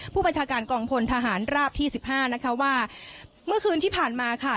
ผู้บัญชาการกองพลทหารราบที่สิบห้านะคะว่าเมื่อคืนที่ผ่านมาค่ะ